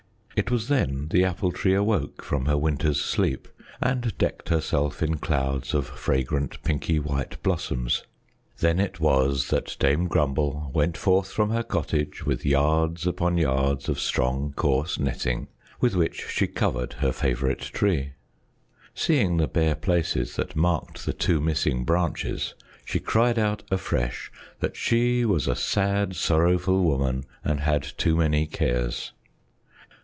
It was then the Apple Tree awoke from her winter's sleep and decked herself in clouds of fragrant, pinky white blossoms. Then it was that Dame Grumble went forth from her cottage with yards upon yards of strong, coarse netting with which she covered her favorite tree. Seeing the bare places that marked the two missing branches, she cried out afresh that she was a sad, sorrowful woman and had too many cares.